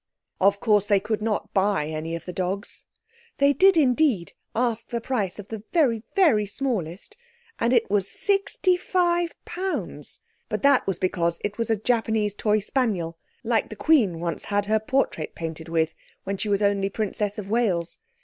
Of course they could not buy any of the dogs. They did, indeed, ask the price of the very, very smallest, and it was sixty five pounds—but that was because it was a Japanese toy spaniel like the Queen once had her portrait painted with, when she was only Princess of Wales.